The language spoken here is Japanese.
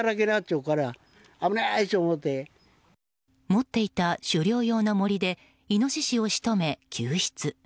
持っていた狩猟用のもりでイノシシを仕留め救出。